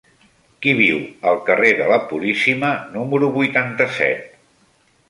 Qui viu al carrer de la Puríssima número vuitanta-set?